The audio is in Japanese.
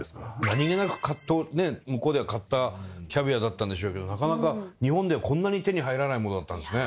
何げなく向こうでは買ったキャビアだったんでしょうけどなかなか日本ではこんなに手に入らないものだったんですね。